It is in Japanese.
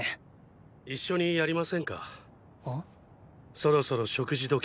そろそろ食事時。